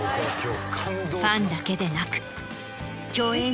ファンだけでなく。